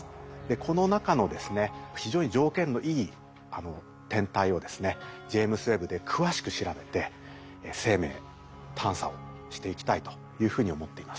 この中のですね非常に条件のいい天体をですねジェイムズ・ウェッブで詳しく調べて生命探査をしていきたいというふうに思っています。